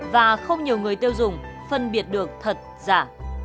và không nhiều người tiêu dùng phân biệt được thật giả